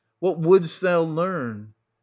What wouldst thou learn ?